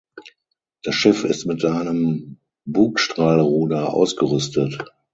Das Schiff ist mit einem Bugstrahlruder ausgerüstet.